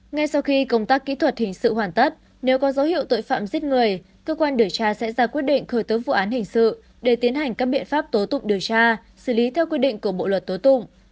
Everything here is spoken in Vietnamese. ngay sau khi công tác kỹ thuật hình sự hoàn tất nếu có dấu hiệu tội phạm giết người cơ quan điều tra sẽ ra quyết định khởi tố vụ án hình sự để tiến hành các biện pháp tố tục điều tra xử lý theo quy định của bộ luật tố tụng